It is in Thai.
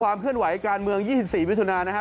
เคลื่อนไหวการเมือง๒๔มิถุนานะครับ